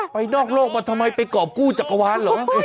ไปนอกโลกมาทำไมไปกรอบกู้จักรวาลเหรอ